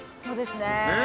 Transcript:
そうですね。